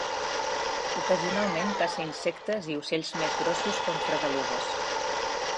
Ocasionalment caça insectes i ocells més grossos com fredelugues.